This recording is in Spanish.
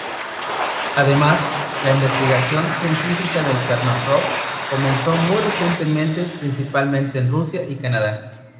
Además, la investigación científica del permafrost comenzó muy recientemente principalmente en Rusia y Canadá.